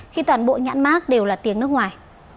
khi toàn bộ nhãn mát đều là tiếng nước ngoài